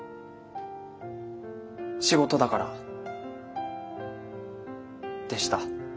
仕事だからでした。